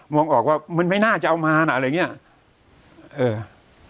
งออกว่ามันไม่น่าจะเอามาน่ะอะไรอย่างเงี้ยเออ